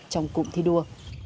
trong cụm thi đua